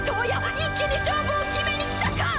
一気に勝負を決めにきたか？